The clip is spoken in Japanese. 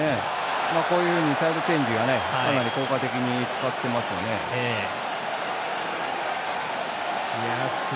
こういうふうにサイドチェンジを効果的に使ってます。